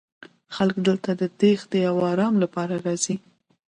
خلک دلته د تیښتې او ارام لپاره راځي